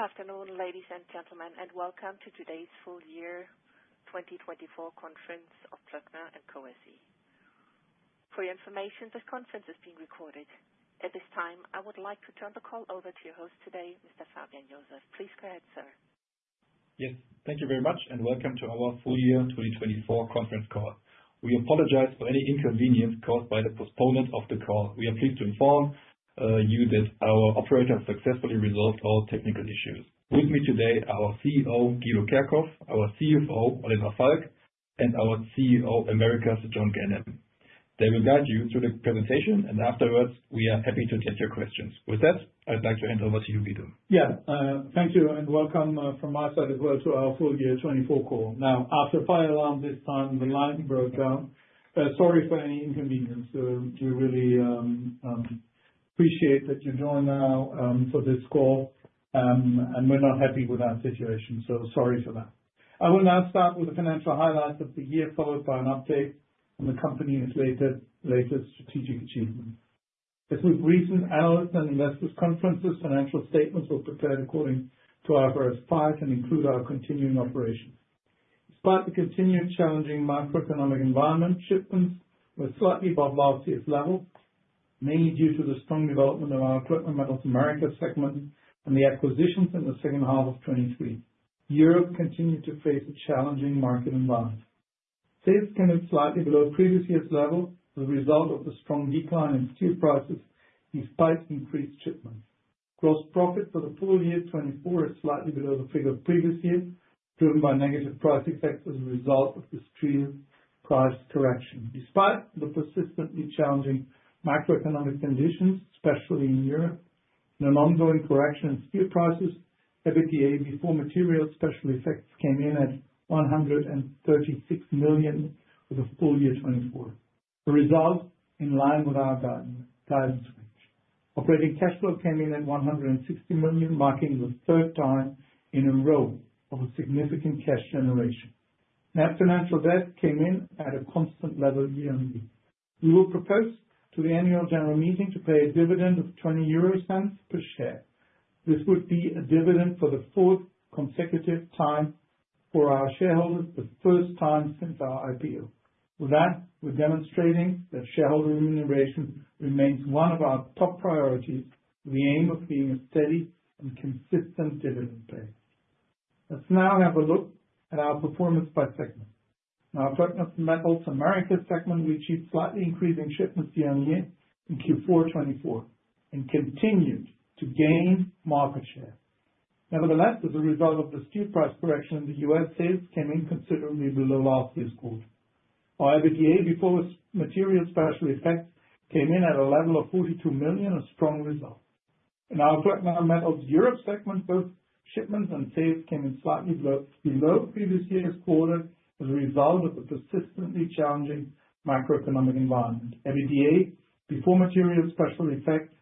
Good afternoon, ladies and gentlemen, and welcome to today's full year 2024 conference of Klöckner & Co. Felix, for your information, this conference is being recorded. At this time, I would like to turn the call over to your host today, Mr. Fabian Joseph. Please go ahead, sir. Yes, thank you very much, and welcome to our full year 2024 conference call. We apologize for any inconvenience caused by the postponement of the call. We are pleased to inform you that our operators successfully resolved all technical issues. With me today are our CEO, Guido Kerkhoff, our CFO, Oliver Falk, and our CEO, Americas, John Ganem. They will guide you through the presentation, and afterwards, we are happy to take your questions. With that, I'd like to hand over to you, Guido. Yeah, thank you, and welcome from my side as well to our full year 2024 call. Now, after fire alarms this time, the line broke down. Sorry for any inconvenience. We really appreciate that you're joining now for this call, and we're not happy with our situation, so sorry for that. I will now start with the financial highlights of the year, followed by an update on the company's latest strategic achievements. As with recent analysts and investors' conferences, financial statements were prepared according to our IFRS 5 and include our continuing operations. Despite the continued challenging macroeconomic environment, shipments were slightly above last year's level, mainly due to the strong development of our Klöckner Metals Americas segment, and the acquisitions in the second half of 2023. Europe continued to face a challenging market environment. Sales came in slightly below previous year's level as a result of the strong decline in steel prices despite increased shipments. Gross profit for the full year 2024 is slightly below the figure of previous year, driven by negative price effects as a result of the steel price correction. Despite the persistently challenging macroeconomic conditions, especially in Europe, and an ongoing correction in steel prices, EBITDA before material special effects came in at 136 million for the full year 2024, a result in line with our guidance range. Operating cash flow came in at 160 million, marking the third time in a row of a significant cash generation. Net financial debt came in at a constant level year on year. We will propose to the annual general meeting to pay a dividend of 0.20 per share. This would be a dividend for the fourth consecutive time for our shareholders, the first time since our IPO. With that, we're demonstrating that shareholder remuneration remains one of our top priorities with the aim of being a steady and consistent dividend pay. Let's now have a look at our performance by segment. In our Klöckner Metals Americas segment, we achieved slightly increasing shipments year on year in Q4 2024 and continued to gain market share. Nevertheless, as a result of the steel price correction in the U.S., sales came in considerably below last year's quarter. Our EBITDA before material special effects came in at a level of 42 million, a strong result. In our Klöckner Metals Europe segment, both shipments and sales came in slightly below previous year's quarter as a result of the persistently challenging macroeconomic environment. EBITDA before material special effects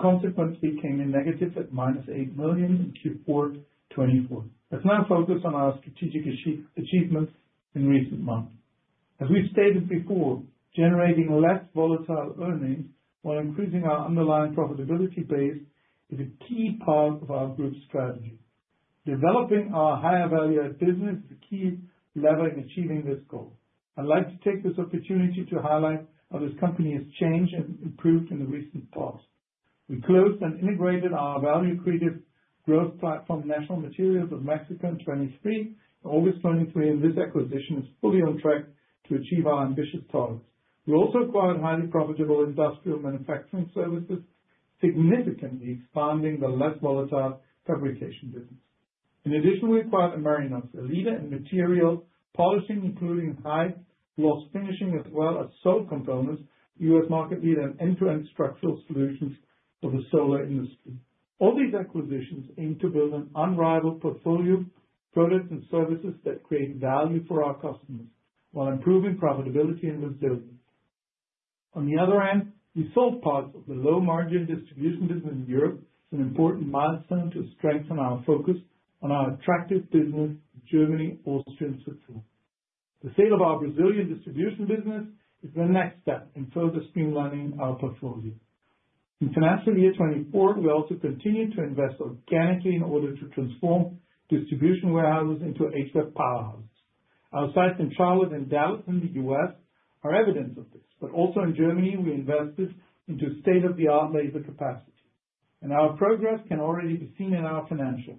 consequently came in negative at minus 8 million in Q4 2024. Let's now focus on our strategic achievements in recent months. As we've stated before, generating less volatile earnings while increasing our underlying profitability base is a key part of our group's strategy. Developing our higher value-added business is a key lever in achieving this goal. I'd like to take this opportunity to highlight how this company has changed and improved in the recent past. We closed and integrated our value-creative growth platform, National Material Company Mexico, in August 2023, and this acquisition is fully on track to achieve our ambitious targets. We also acquired highly profitable Industrial Manufacturing Services, significantly expanding the less volatile fabrication business. In addition, we acquired Amerinox, a leader in material polishing, including high-gloss finishing, as well as Sol Components, U.S. market leader, and end-to-end structural solutions for the solar industry. All these acquisitions aim to build an unrivaled portfolio of products and services that create value for our customers while improving profitability and resilience. On the other hand, we sold parts of the low-margin distribution business in Europe. It's an important milestone to strengthen our focus on our attractive business in Germany, Austria, and Switzerland. The sale of our Brazilian distribution business is the next step in further streamlining our portfolio. In financial year 2024, we also continue to invest organically in order to transform distribution warehouses into HVAB powerhouses. Our sites in Charlotte and Dallas in the U.S. are evidence of this, but also in Germany, we invested into state-of-the-art laser capacity. Our progress can already be seen in our financials.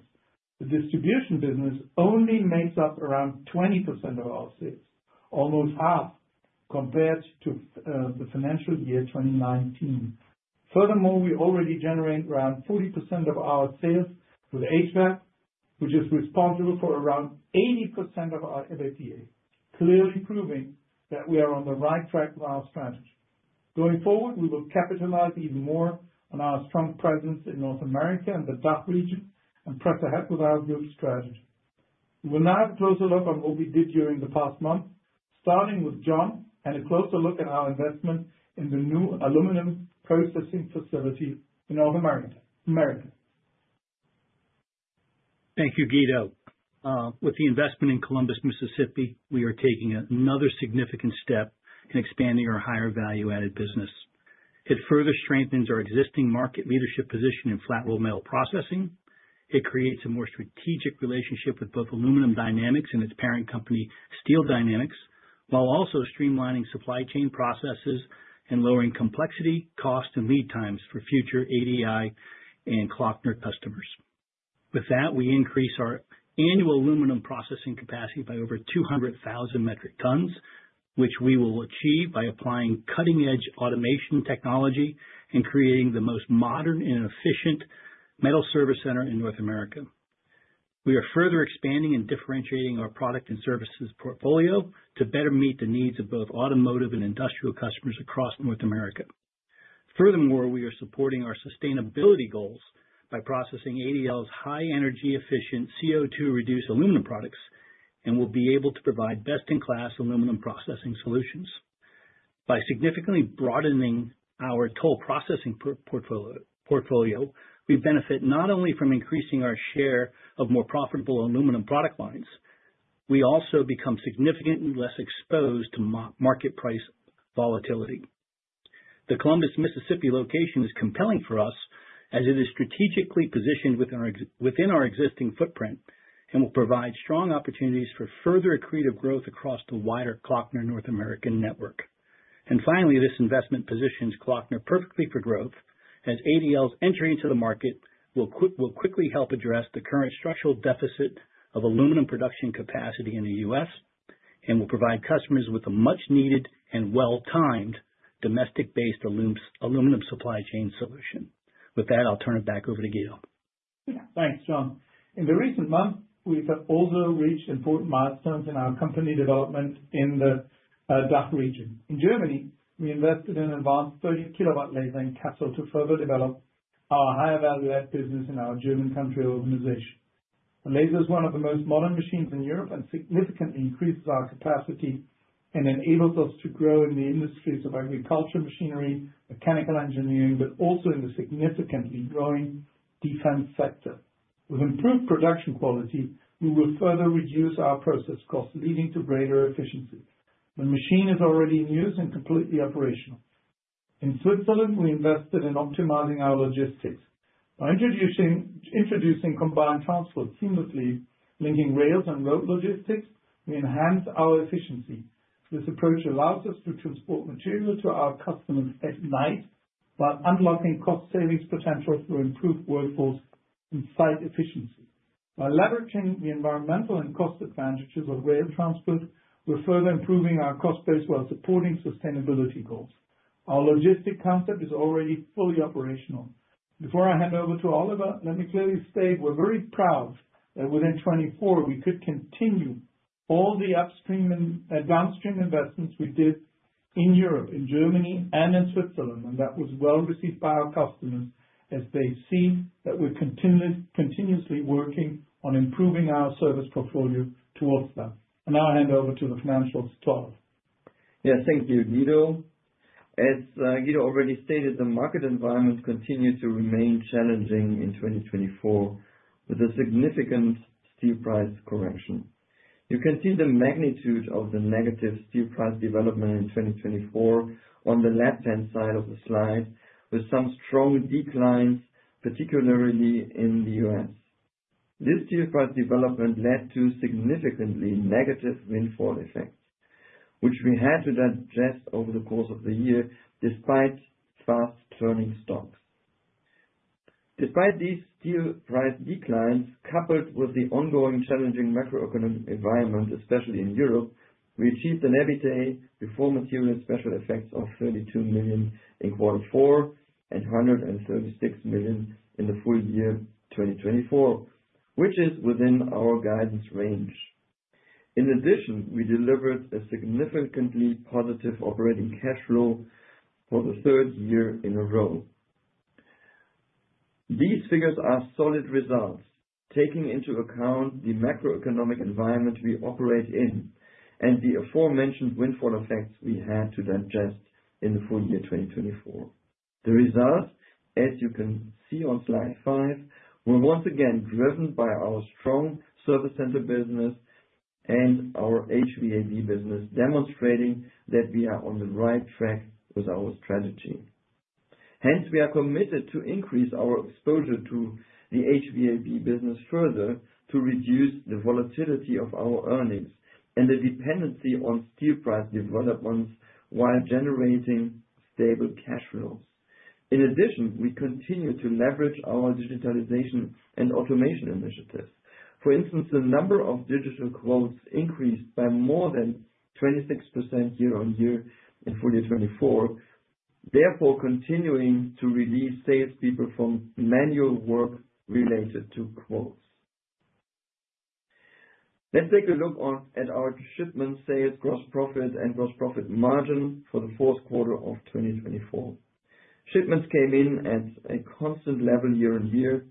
The distribution business only makes up around 20% of our sales, almost half compared to the financial year 2019. Furthermore, we already generate around 40% of our sales with HVAB, which is responsible for around 80% of our EBITDA, clearly proving that we are on the right track with our strategy. Going forward, we will capitalize even more on our strong presence in North America and the DACH region and press ahead with our group strategy. We will now have a closer look on what we did during the past month, starting with John and a closer look at our investment in the new aluminum processing facility in North America. Thank you, Guido. With the investment in Columbus, Mississippi, we are taking another significant step in expanding our higher value-added business. It further strengthens our existing market leadership position in flat rolled metal processing. It creates a more strategic relationship with both Aluminum Dynamics and its parent company, Steel Dynamics, while also streamlining supply chain processes and lowering complexity, cost, and lead times for future ADI and Klöckner customers. With that, we increase our annual aluminum processing capacity by over 200,000 metric tons, which we will achieve by applying cutting-edge automation technology and creating the most modern and efficient metal service center in North America. We are further expanding and differentiating our product and services portfolio to better meet the needs of both automotive and industrial customers across North America. Furthermore, we are supporting our sustainability goals by processing ADI's high-energy efficient CO2-reduced aluminum products and will be able to provide best-in-class aluminum processing solutions. By significantly broadening our total processing portfolio, we benefit not only from increasing our share of more profitable aluminum product lines, we also become significantly less exposed to market price volatility. The Columbus, Mississippi location is compelling for us as it is strategically positioned within our existing footprint and will provide strong opportunities for further accretive growth across the wider Klöckner North American network. Finally, this investment positions Klöckner perfectly for growth as ADI's entry into the market will quickly help address the current structural deficit of aluminum production capacity in the U.S. and will provide customers with a much-needed and well-timed domestic-based aluminum supply chain solution. With that, I'll turn it back over to Guido. Thanks, John. In the recent months, we've also reached important milestones in our company development in the DACH region. In Germany, we invested in advanced 30-kilowatt laser in Kassel to further develop our higher value-added business in our German country organization. The laser is one of the most modern machines in Europe and significantly increases our capacity and enables us to grow in the industries of agriculture, machinery, mechanical engineering, but also in the significantly growing defense sector. With improved production quality, we will further reduce our process costs, leading to greater efficiency. The machine is already in use and completely operational. In Switzerland, we invested in optimizing our logistics. By introducing combined transport seamlessly, linking rails and road logistics, we enhance our efficiency. This approach allows us to transport material to our customers at night while unlocking cost savings potential through improved workforce and site efficiency. By leveraging the environmental and cost advantages of rail transport, we're further improving our cost base while supporting sustainability goals. Our logistic concept is already fully operational. Before I hand over to Oliver, let me clearly state we're very proud that within 2024, we could continue all the upstream and downstream investments we did in Europe, in Germany, and in Switzerland, and that was well received by our customers as they see that we're continuously working on improving our service portfolio towards that. Now I'll hand over to the financials to Oliver. Yes, thank you, Guido. As Guido already stated, the market environment continues to remain challenging in 2024 with a significant steel price correction. You can see the magnitude of the negative steel price development in 2024 on the left-hand side of the slide with some strong declines, particularly in the U.S. This steel price development led to significantly negative windfall effects, which we had to digest over the course of the year despite fast turning stocks. Despite these steel price declines, coupled with the ongoing challenging macroeconomic environment, especially in Europe, we achieved an EBITDA before material special effects of 32 million in quarter four and 136 million in the full year 2024, which is within our guidance range. In addition, we delivered a significantly positive operating cash flow for the third year in a row. These figures are solid results taking into account the macroeconomic environment we operate in and the aforementioned windfall effects we had to digest in the full year 2024. The results, as you can see on slide five, were once again driven by our strong service center business and our HVAB business, demonstrating that we are on the right track with our strategy. Hence, we are committed to increase our exposure to the HVAB business further to reduce the volatility of our earnings and the dependency on steel price developments while generating stable cash flows. In addition, we continue to leverage our digitalization and automation initiatives. For instance, the number of digital quotes increased by more than 26% year on year in full year 2024, therefore continuing to relieve salespeople from manual work related to quotes. Let's take a look at our shipment sales, gross profit, and gross profit margin for the fourth quarter of 2024. Shipments came in at a constant level year on year,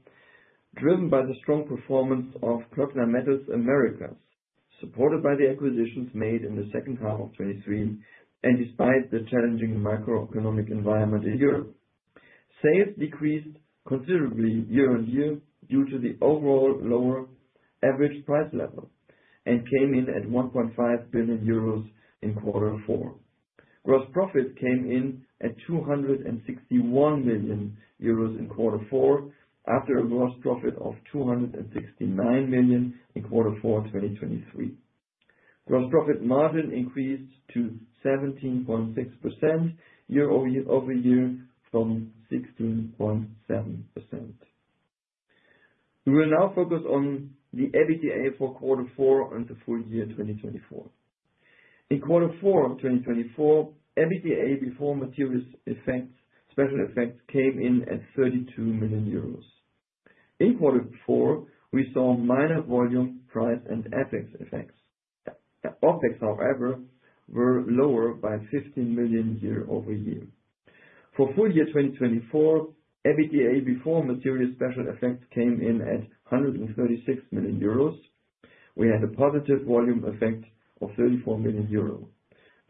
driven by the strong performance of Klöckner Metals Americas, supported by the acquisitions made in the second half of 2023, and despite the challenging macroeconomic environment in Europe. Sales decreased considerably year on year due to the overall lower average price level and came in at 1.5 billion euros in quarter four. Gross profit came in at 261 million euros in quarter four after a gross profit of 269 million in quarter four 2023. Gross profit margin increased to 17.6% year-over-year from 16.7%. We will now focus on the EBITDA for quarter four and the full year 2024. In quarter four of 2024, EBITDA before materials special effects came in at 32 million euros. In quarter four, we saw minor volume, price, and FX effects. OpEx, however, were lower by 15 million year-over-year. For full year 2024, EBITDA before material special effects came in at 136 million euros. We had a positive volume effect of 34 million euros.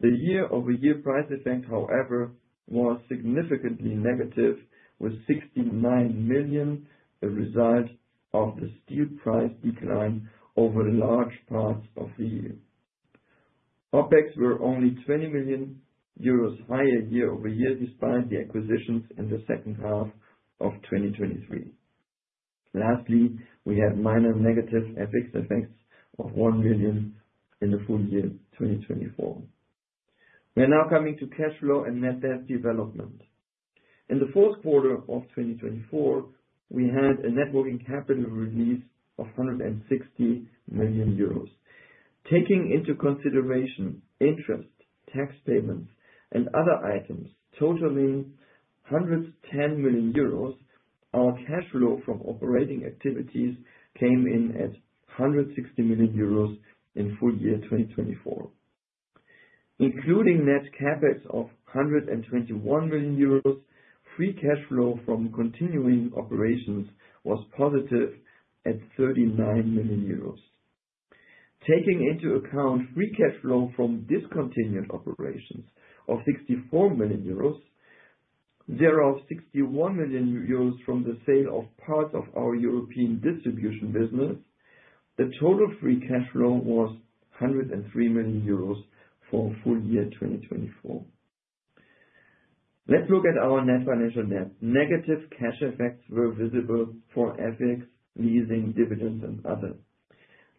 The year-over-year price effect, however, was significantly negative with 69 million, a result of the steel price decline over large parts of the year. OpEx were only 20 million euros higher year-over-year despite the acquisitions in the second half of 2023. Lastly, we had minor negative FX effects of 1 million in the full year 2024. We are now coming to cash flow and net debt development. In the fourth quarter of 2024, we had a net working capital release of 160 million euros. Taking into consideration interest, tax payments, and other items totaling 110 million euros, our cash flow from operating activities came in at 160 million euros in full year 2024. Including net CapEx of 121 million euros, free cash flow from continuing operations was positive at 39 million euros. Taking into account free cash flow from discontinued operations of 64 million euros, thereof 61 million euros from the sale of parts of our European distribution business, the total free cash flow was 103 million euros for full year 2024. Let's look at our net financial debt. Negative cash effects were visible for FX, leasing, dividends, and others.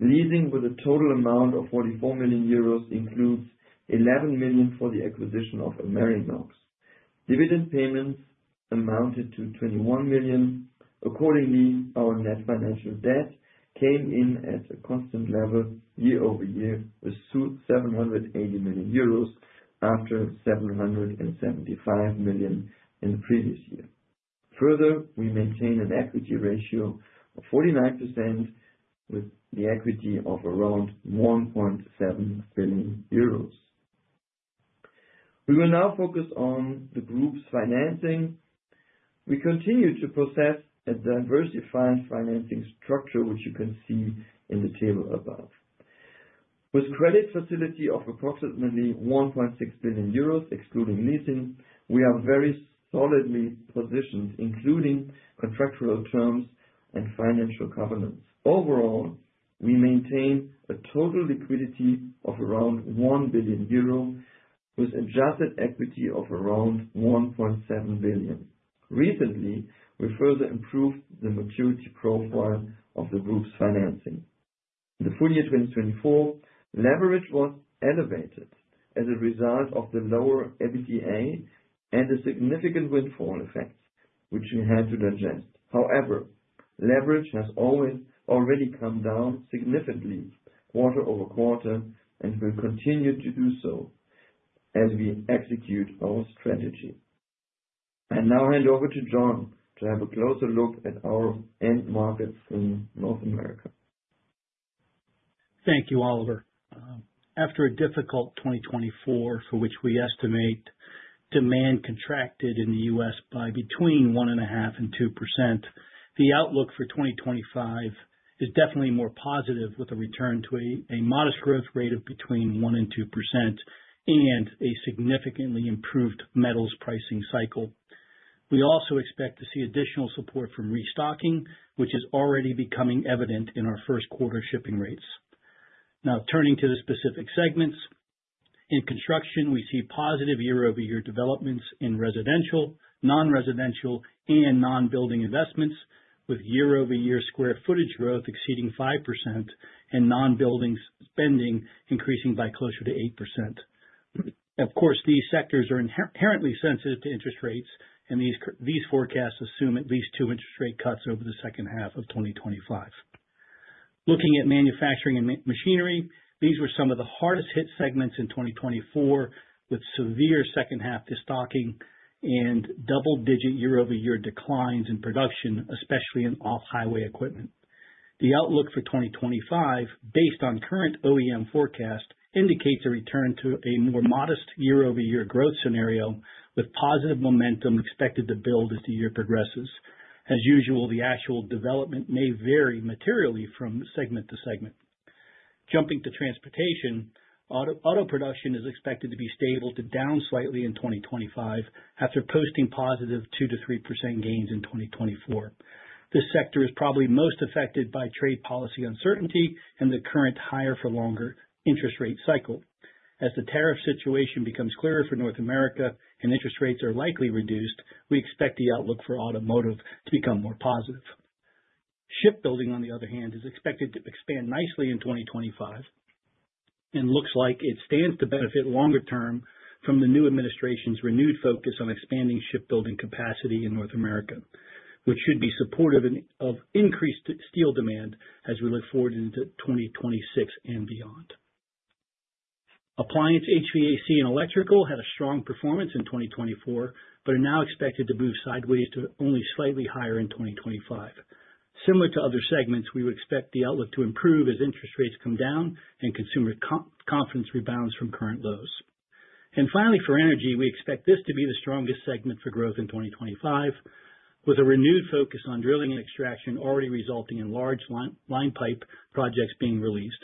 Leasing with a total amount of 44 million euros includes 11 million for the acquisition of Amerinox. Dividend payments amounted to 21 million. Accordingly, our net financial debt came in at a constant level year-over-year with 780 million euros after 775 million in the previous year. Further, we maintain an equity ratio of 49% with the equity of around 1.7 billion euros. We will now focus on the group's financing. We continue to possess a diversified financing structure, which you can see in the table above. With credit facility of approximately 1.6 billion euros, excluding leasing, we are very solidly positioned, including contractual terms and financial covenants. Overall, we maintain a total liquidity of around 1 billion euro with adjusted equity of around 1.7 billion. Recently, we further improved the maturity profile of the group's financing. In the full year 2024, leverage was elevated as a result of the lower EBITDA and the significant windfall effects, which we had to digest. However, leverage has already come down significantly quarter over quarter and will continue to do so as we execute our strategy. I now hand over to John to have a closer look at our end markets in North America. Thank you, Oliver. After a difficult 2024, for which we estimate demand contracted in the U.S. by between 1.5% and 2%, the outlook for 2025 is definitely more positive with a return to a modest growth rate of between 1% and 2% and a significantly improved metals pricing cycle. We also expect to see additional support from restocking, which is already becoming evident in our first quarter shipping rates. Now, turning to the specific segments, in construction, we see positive year-over-year developments in residential, non-residential, and non-building investments with year-over-year square footage growth exceeding 5% and non-building spending increasing by closer to 8%. Of course, these sectors are inherently sensitive to interest rates, and these forecasts assume at least two interest rate cuts over the second half of 2025. Looking at manufacturing and machinery, these were some of the hardest-hit segments in 2024 with severe second-half destocking and double-digit year-over-year declines in production, especially in off-highway equipment. The outlook for 2025, based on current OEM forecast, indicates a return to a more modest year-over-year growth scenario with positive momentum expected to build as the year progresses. As usual, the actual development may vary materially from segment to segment. Jumping to transportation, auto production is expected to be stable to down slightly in 2025 after posting positive 2%-3% gains in 2024. This sector is probably most affected by trade policy uncertainty and the current higher-for-longer interest rate cycle. As the tariff situation becomes clearer for North America and interest rates are likely reduced, we expect the outlook for automotive to become more positive. Shipbuilding, on the other hand, is expected to expand nicely in 2025 and looks like it stands to benefit longer term from the new administration's renewed focus on expanding shipbuilding capacity in North America, which should be supportive of increased steel demand as we look forward into 2026 and beyond. Appliance, HVAC, and electrical had a strong performance in 2024 but are now expected to move sideways to only slightly higher in 2025. Similar to other segments, we would expect the outlook to improve as interest rates come down and consumer confidence rebounds from current lows. Finally, for energy, we expect this to be the strongest segment for growth in 2025, with a renewed focus on drilling and extraction already resulting in large line pipe projects being released.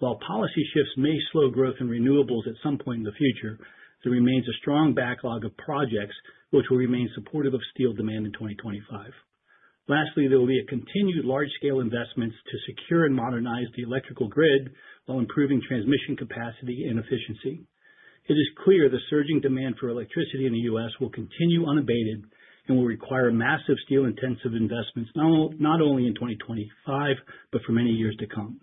While policy shifts may slow growth in renewables at some point in the future, there remains a strong backlog of projects which will remain supportive of steel demand in 2025. Lastly, there will be continued large-scale investments to secure and modernize the electrical grid while improving transmission capacity and efficiency. It is clear the surging demand for electricity in the U.S. will continue unabated and will require massive steel-intensive investments not only in 2025 but for many years to come.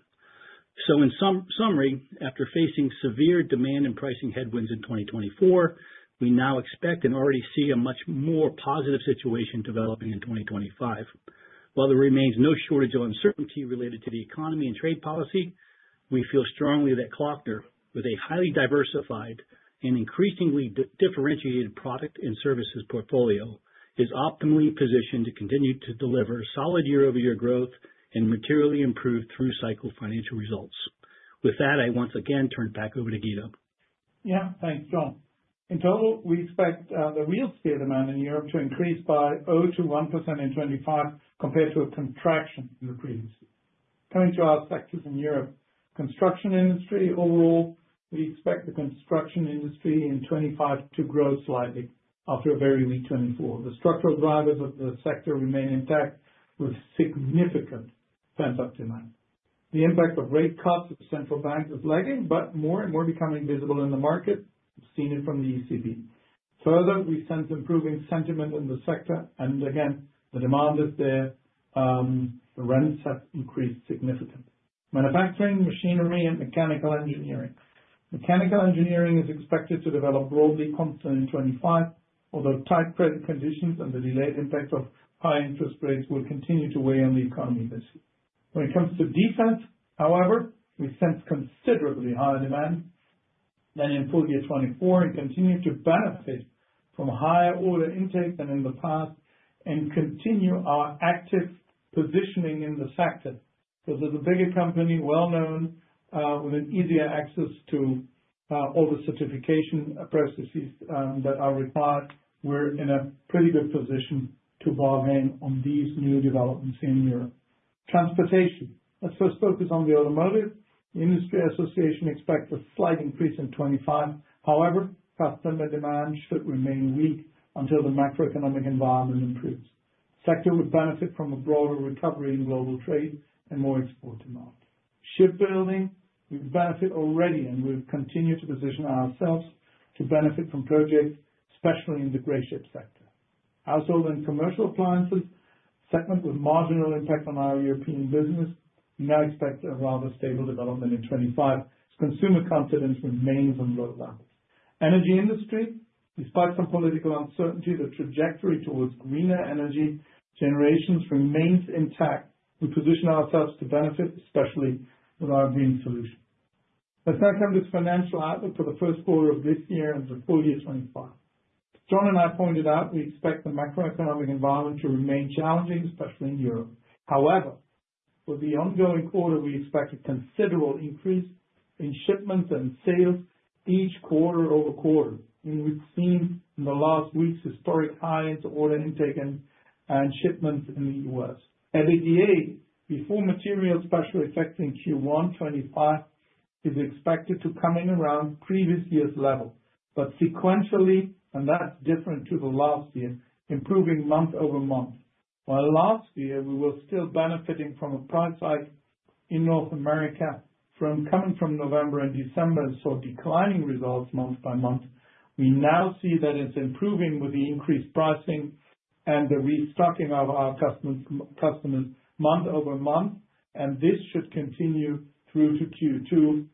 In summary, after facing severe demand and pricing headwinds in 2024, we now expect and already see a much more positive situation developing in 2025. While there remains no shortage of uncertainty related to the economy and trade policy, we feel strongly that Klöckner, with a highly diversified and increasingly differentiated product and services portfolio, is optimally positioned to continue to deliver solid year-over-year growth and materially improved through cycle financial results. With that, I once again turn back over to Guido. Yeah, thanks, John. In total, we expect the real steel demand in Europe to increase by 0%-1% in 2025 compared to a contraction in the previous year. Coming to our sectors in Europe, construction industry overall, we expect the construction industry in 2025 to grow slightly after a very weak 2024. The structural drivers of the sector remain intact with significant pent-up demand. The impact of rate cuts of central banks is lagging but more and more becoming visible in the market. We have seen it from the ECB. Further, we sense improving sentiment in the sector, and again, the demand is there. The rents have increased significantly. Manufacturing, machinery, and mechanical engineering. Mechanical engineering is expected to develop broadly in 2025, although tight credit conditions and the delayed impact of high interest rates will continue to weigh on the economy this year. When it comes to defense, however, we sense considerably higher demand than in full year 2024 and continue to benefit from higher order intake than in the past and continue our active positioning in the sector. Because as a bigger company, well-known, with an easier access to all the certification processes that are required, we're in a pretty good position to bargain on these new developments in Europe. Transportation, let's first focus on the automotive. The Industry Association expects a slight increase in 2025. However, customer demand should remain weak until the macroeconomic environment improves. The sector would benefit from a broader recovery in global trade and more export demand. Shipbuilding, we benefit already, and we've continued to position ourselves to benefit from projects, especially in the gray ship sector. Household and commercial appliances, a segment with marginal impact on our European business, we now expect a rather stable development in 2025. Consumer confidence remains on low levels. Energy industry, despite some political uncertainty, the trajectory towards greener energy generations remains intact. We position ourselves to benefit, especially with our green solutions. Let's now come to the financial outlook for the first quarter of this year and the full year 2025. John and I pointed out we expect the macroeconomic environment to remain challenging, especially in Europe. However, for the ongoing quarter, we expect a considerable increase in shipments and sales each quarter over quarter, and we've seen in the last weeks historic highs in order intake and shipments in the U.S. EBITDA, before materials special effects in Q1 2025, is expected to come in around previous year's level, but sequentially, and that's different to the last year, improving month over month. While last year, we were still benefiting from a price hike in North America coming from November and December and saw declining results month by month, we now see that it's improving with the increased pricing and the restocking of our customers month over month, and this should continue through to Q2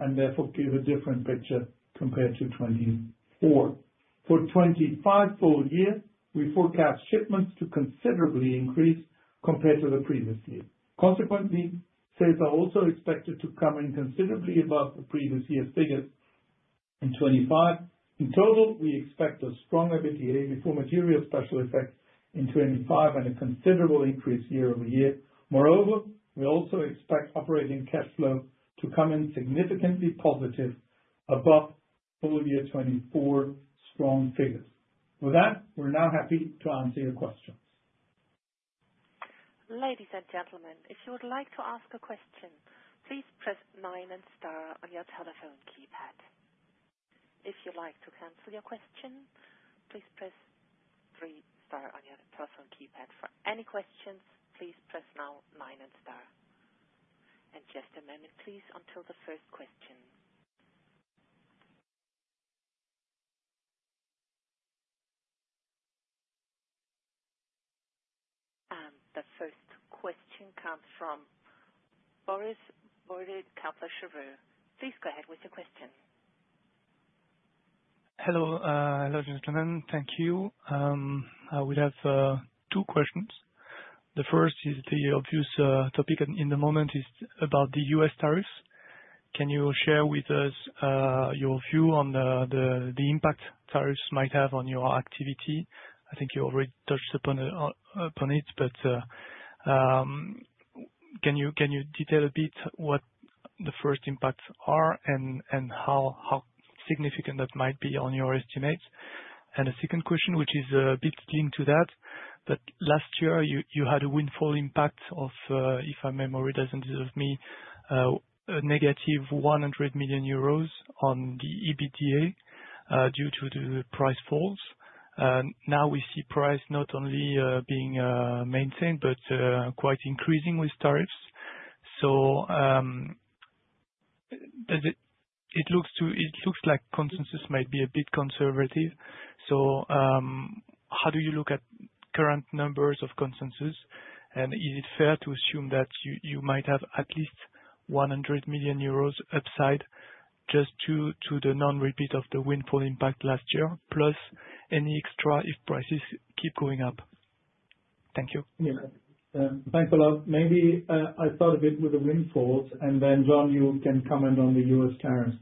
and therefore give a different picture compared to 2024. For 2025 full year, we forecast shipments to considerably increase compared to the previous year. Consequently, sales are also expected to come in considerably above the previous year's figures in 2025. In total, we expect a strong EBITDA before materials special effects in 2025 and a considerable increase year-over-year. Moreover, we also expect operating cash flow to come in significantly positive above full year 2024 strong figures. With that, we're now happy to answer your questions. Ladies and gentlemen, if you would like to ask a question, please press 9 and star on your telephone keypad. If you'd like to cancel your question, please press 3, star on your telephone keypad. For any questions, please press now 9 and star. Just a moment, please, until the first question. The first question comes from Rochus Brauneiser at Kepler Cheuvreux. Please go ahead with your question. Hello, ladies and gentlemen, thank you. We have two questions. The first is the obvious topic in the moment is about the U.S. tariffs. Can you share with us your view on the impact tariffs might have on your activity? I think you already touched upon it, but can you detail a bit what the first impacts are and how significant that might be on your estimates? The second question, which is a bit linked to that, that last year, you had a windfall impact of, if my memory doesn't desert me, a negative 100 million euros on the EBITDA due to the price falls. Now we see price not only being maintained but quite increasing with tariffs. It looks like consensus might be a bit conservative. How do you look at current numbers of consensus? Is it fair to assume that you might have at least 100 million euros upside just to the non-repeat of the windfall impact last year, plus any extra if prices keep going up? Thank you. Yeah. Thanks a lot. Maybe I start a bit with the windfalls, and then John, you can comment on the U.S. tariffs.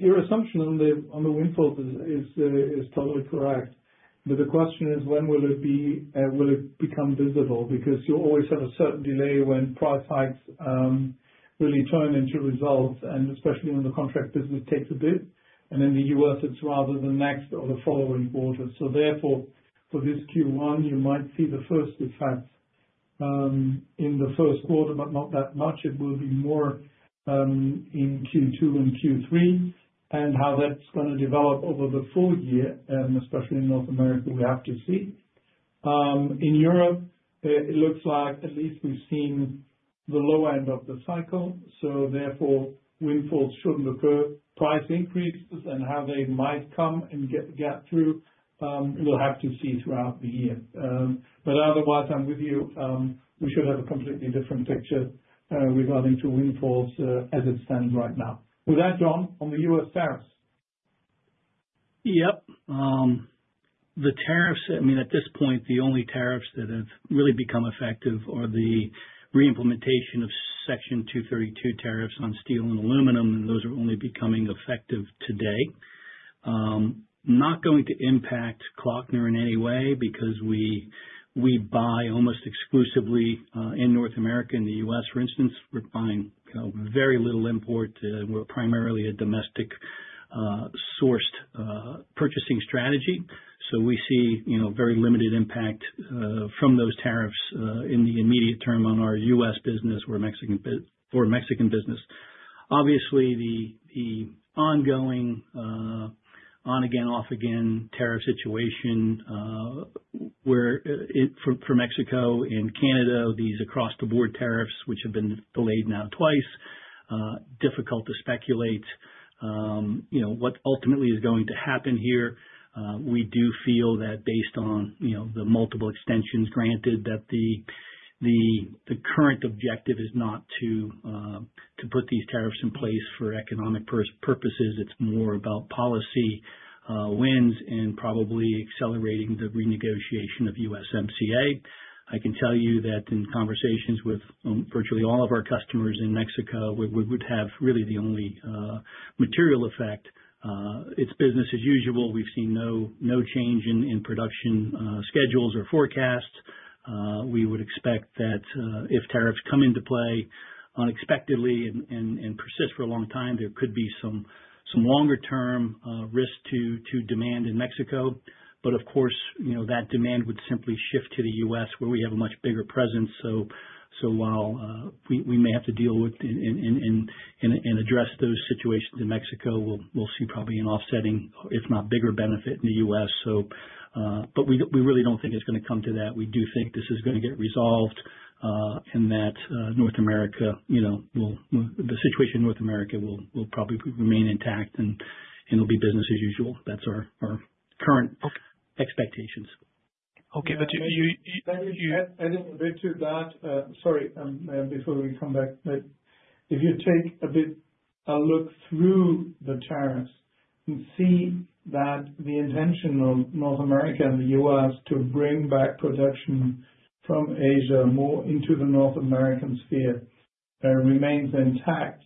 Your assumption on the windfalls is totally correct, but the question is, when will it become visible? Because you always have a certain delay when price hikes really turn into results, and especially when the contract business takes a bit. In the U.S., it's rather the next or the following quarter. Therefore, for this Q1, you might see the first effects in the first quarter, but not that much. It will be more in Q2 and Q3. How that's going to develop over the full year, and especially in North America, we have to see. In Europe, it looks like at least we've seen the low end of the cycle. Therefore, windfalls shouldn't occur. Price increases and how they might come and get through, we will have to see throughout the year. Otherwise, I am with you. We should have a completely different picture regarding windfalls as it stands right now. With that, John, on the U.S. tariffs. Yep. The tariffs, I mean, at this point, the only tariffs that have really become effective are the reimplementation of Section 232 tariffs on steel and aluminum, and those are only becoming effective today. Not going to impact Klöckner in any way because we buy almost exclusively in North America and the U.S., for instance. We're buying very little import. We're primarily a domestic-sourced purchasing strategy. We see very limited impact from those tariffs in the immediate term on our U.S. business or Mexican business. Obviously, the ongoing on-again, off-again tariff situation for Mexico and Canada, these across-the-board tariffs, which have been delayed now twice, difficult to speculate what ultimately is going to happen here. We do feel that based on the multiple extensions granted, the current objective is not to put these tariffs in place for economic purposes. It's more about policy wins and probably accelerating the renegotiation of USMCA. I can tell you that in conversations with virtually all of our customers in Mexico, we would have really the only material effect. It's business as usual. We've seen no change in production schedules or forecasts. We would expect that if tariffs come into play unexpectedly and persist for a long time, there could be some longer-term risk to demand in Mexico. Of course, that demand would simply shift to the U.S., where we have a much bigger presence. While we may have to deal with and address those situations in Mexico, we'll see probably an offsetting, if not bigger benefit in the U.S. We really don't think it's going to come to that. We do think this is going to get resolved and that North America, the situation in North America will probably remain intact, and it'll be business as usual. That's our current expectations. Okay. You added a bit to that. Sorry, before we come back. If you take a bit a look through the tariffs and see that the intention of North America and the U.S. to bring back production from Asia more into the North American sphere remains intact,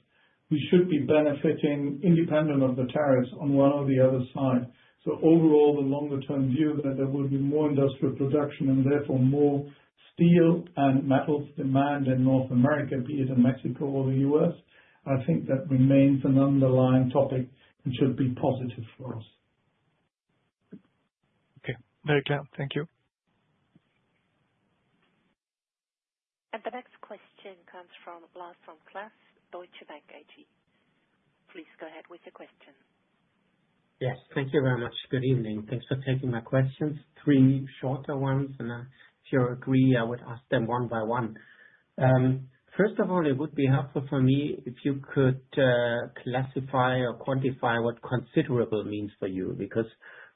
we should be benefiting independent of the tariffs on one or the other side. Overall, the longer-term view that there would be more industrial production and therefore more steel and metals demand in North America, be it in Mexico or the U.S., I think that remains an underlying topic and should be positive for us. Okay. Very clear. Thank you. The next question comes from Lars vom Cleff, Deutsche Bank AG. Please go ahead with your question. Yes. Thank you very much. Good evening. Thanks for taking my questions. Three shorter ones, and if you agree, I would ask them one by one. First of all, it would be helpful for me if you could classify or quantify what considerable means for you because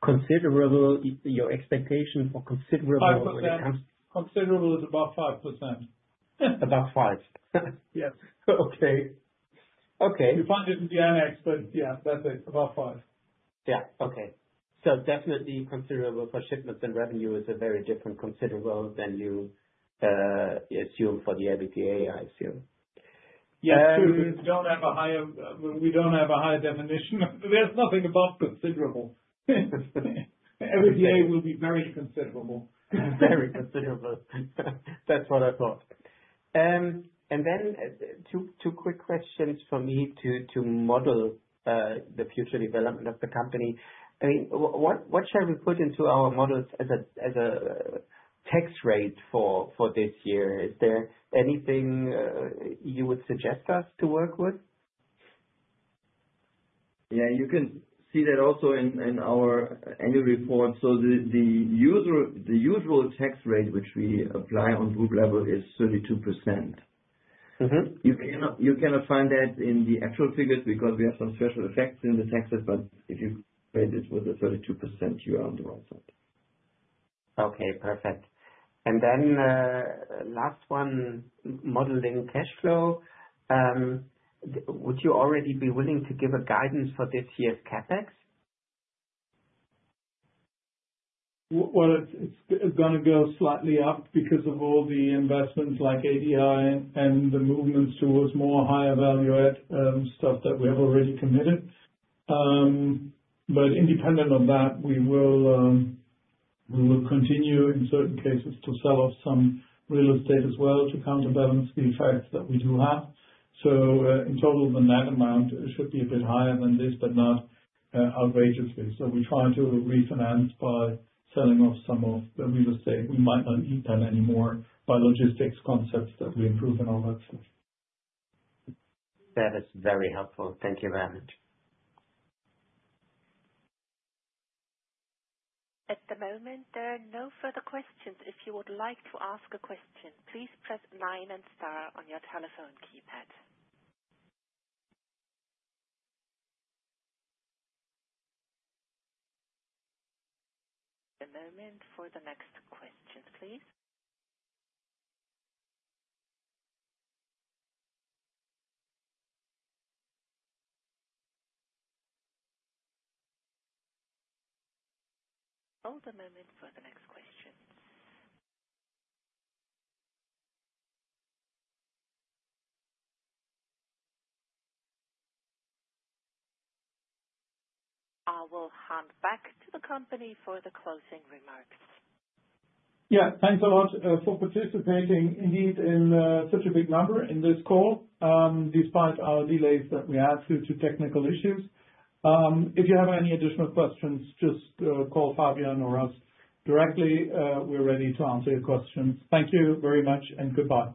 considerable, your expectation for considerable when it comes. Considerable is about 5%. About 5%. Yes. Okay. Okay. You find it in the annex, but yeah, that's it. About 5%. Yeah. Okay. So definitely considerable for shipments and revenue is a very different considerable than you assume for the EBITDA, I assume. Yeah. We don't have a higher, we don't have a higher definition. There's nothing above considerable. EBITDA will be very considerable. Very considerable. That's what I thought. I mean, what shall we put into our models as a tax rate for this year? Is there anything you would suggest us to work with? Yeah. You can see that also in our annual report. The usual tax rate, which we apply on group level, is 32%. You cannot find that in the actual figures because we have some special effects in the taxes, but if you rate it with the 32%, you are on the right side. Okay. Perfect. And then last one, modeling cash flow. Would you already be willing to give a guidance for this year's Capex? It is going to go slightly up because of all the investments like ADI and the movements towards more higher value stuff that we have already committed. Independent of that, we will continue in certain cases to sell off some real estate as well to counterbalance the effects that we do have. In total, the net amount should be a bit higher than this, but not outrageously. We try to refinance by selling off some of the real estate. We might not need that anymore by logistics concepts that we improve and all that stuff. That is very helpful. Thank you very much. At the moment, there are no further questions. If you would like to ask a question, please press 9 and star on your telephone keypad. A moment for the next question, please. Hold a moment for the next question. I will hand back to the company for the closing remarks. Yeah. Thanks a lot for participating indeed in such a big number in this call despite our delays that we had due to technical issues. If you have any additional questions, just call Fabian or us directly. We're ready to answer your questions. Thank you very much and goodbye.